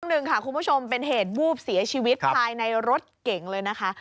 หนึ่งค่ะคุณผู้ชมเป็นเหตุวูบเสียชีวิตภายในรถเก่งเลยนะคะ